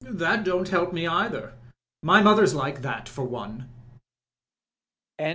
"That don't help me either. My motlier's like that for one."